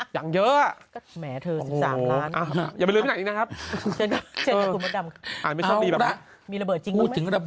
อย่างเยอะ